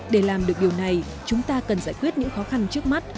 để làm được điều này chúng ta cần giải quyết những khó khăn trước mắt